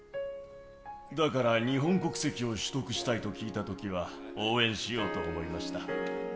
だから日本国籍を取得したいと聞いたときは、応援しようと思いました。